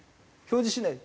表示しない？